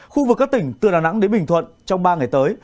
khu vực các tỉnh từ đà nẵng đến bình thuận trong ba ngày tới